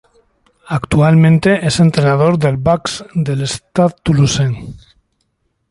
Actualmente es entrenador de backs del Stade Toulousain.